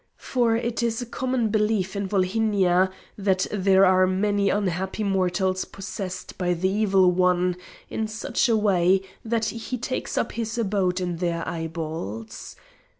For it is a common belief in Volhynia that there are many unhappy mortals possessed by the Evil One in such a way that he takes up his abode in their eyeballs.